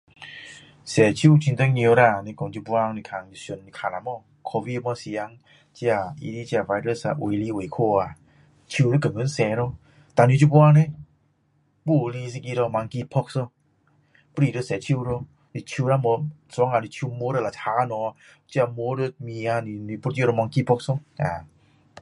洗手很重要啦，你讲看现在看啦【mo】，covid 那时候，【noclear】那 vires 啊，有来有去啊，手要天天洗咯，那现在leh，还有来一个 monkey pot 咯，还是要洗手咯，手要没手摸木物，那门也是啊 monkey pot 咯，啊